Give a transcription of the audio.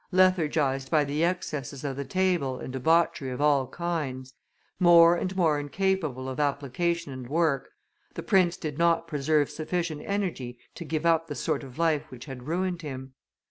Lethargized by the excesses of the table and debauchery of all kinds, more and more incapable of application and work, the prince did not preserve sufficient energy to give up the sort of life which had ruined him.